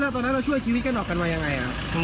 ตอนนั้นเราช่วยชีวิตกันออกกันมายังไง